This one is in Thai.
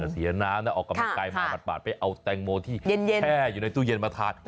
เสียน้ำนะออกกำลังกายมาบาดไปเอาแตงโมที่แช่อยู่ในตู้เย็นมาทาน